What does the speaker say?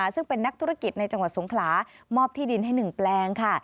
ซึ่งเป็นนักธุรกิจในจังหวัดสงขลามอบที่ดินให้๑แปลงค่ะ